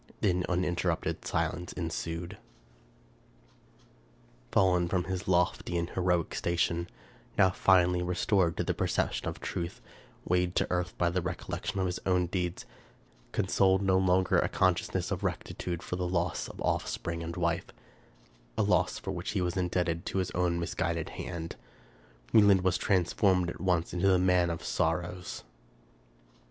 Then uninterrupted silence ensued. Fallen from his lofty and heroic station ; now finally restored to the perception of truth ; weighed to earth by the recollection of his own deeds ; cons oled no longer by a consciousness of rectitude for the loss of offspring and wife, — a loss for which he was indebted to his own mis guided hand, — Wieland was transformed at once into the man of sorrozvs!